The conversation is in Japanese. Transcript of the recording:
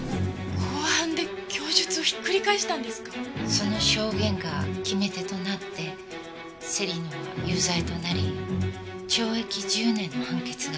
その証言が決め手となって芹野は有罪となり懲役１０年の判決が。